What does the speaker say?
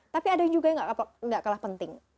tapi ada yang juga nggak kalah penting